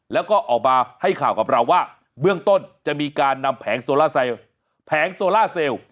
แล้วก็ออกมาให้ข่าวกับเราว่าเบื้องต้นจะมีการนำแผงโซล่าเซลแผงโซล่าเซลล์